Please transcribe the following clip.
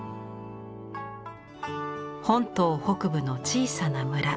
本島北部の小さな村